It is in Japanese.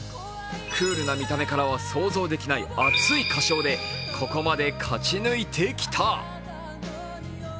クールな見た目からは想像できない熱い歌唱でここまで勝ち抜いてきた。